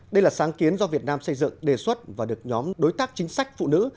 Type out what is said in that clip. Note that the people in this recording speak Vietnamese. đây là sáng kiến do việt nam xây dựng đề xuất và được nhóm đối tác chính sách phụ nữ